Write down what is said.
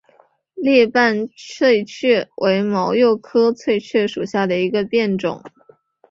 裂瓣翠雀为毛茛科翠雀属下的一个变种。